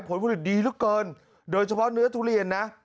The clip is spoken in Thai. ผลผลิตดีเหลือเกินโดยเฉพาะเนื้อทุเรียนนะ